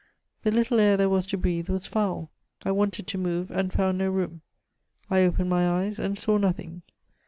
The little air there was to breathe was foul. I wanted to move, and found no room. I opened my eyes, and saw nothing.